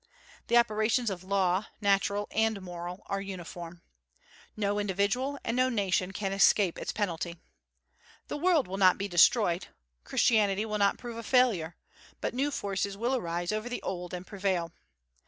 The operations of law, natural and moral, are uniform. No individual and no nation can escape its penalty. The world will not be destroyed; Christianity will not prove a failure, but new forces will arise over the old, and prevail.